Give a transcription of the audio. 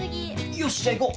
よしじゃ行こう。